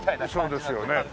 そうですよね。